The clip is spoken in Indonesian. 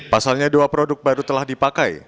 pasalnya dua produk baru telah dipakai